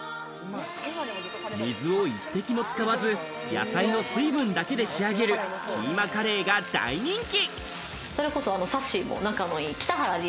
水を一滴も使わず、野菜の水分だけで仕上げるキーマカレーが大人気。